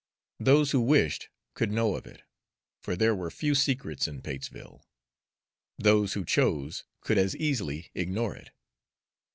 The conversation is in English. Those who wished could know of it, for there were few secrets in Patesville; those who chose could as easily ignore it.